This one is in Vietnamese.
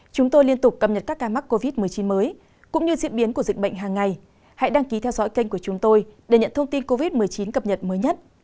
các bạn hãy đăng ký kênh của chúng tôi để nhận thông tin cập nhật mới nhất